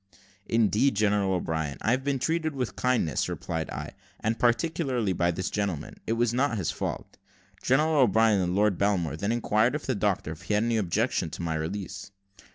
"Indeed, General O'Brien, I have been treated with kindness," replied I; "and particularly by this gentleman. It was not his fault." General O'Brien and Lord Belmore then inquired of the doctor if he had any objection to my release.